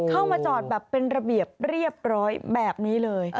เข้ามาจอดแบบเป็นระเบียบเรียบร้อยแบบนี้เลย